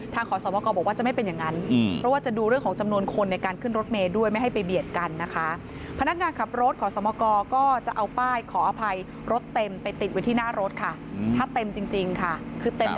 ทางขอสมกรบอกว่าจะไม่เป็นอย่างนั้นอืม